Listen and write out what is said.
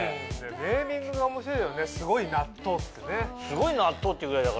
ネーミングが面白いよね「すごい納豆」ってね。